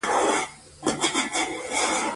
ژمی د افغانستان د موسم د بدلون سبب کېږي.